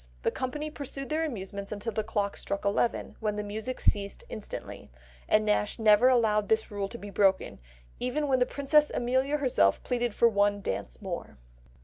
The company pursued their amusements until the clock struck eleven, when the music ceased instantly; and Nash never allowed this rule to be broken, even when the Princess Amelia herself pleaded for one dance more.